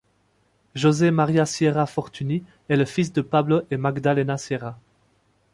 José Maria Sierra Fortuny est le fils de Pablo et Magdalena Sierra.